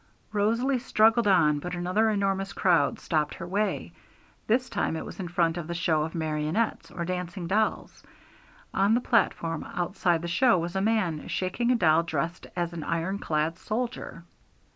Rosalie struggled on, but another enormous crowd stopped her way. This time it was in front of the show of marionettes, or dancing dolls. On the platform outside the show was a man, shaking a doll dressed as an iron clad soldier.